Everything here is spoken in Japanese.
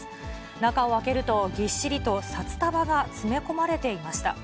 中を開けると、ぎっしりと札束が詰め込まれていました。